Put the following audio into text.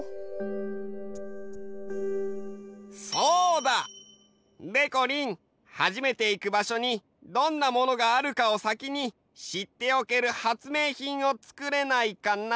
そうだ！でこりん初めていく場所にどんなものがあるかを先にしっておける発明品をつくれないかな？